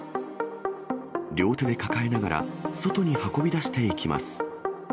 両手で抱えながら、外に運び出していきます。